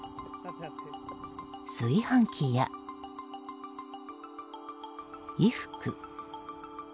炊飯器や、衣服。